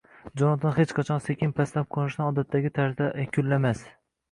Jonatan hech qachon sekin pastlab qo‘nishni odatdagi tarzda yakunlamas